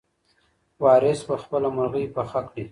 وارث به خپله مرغۍ پخه کړي.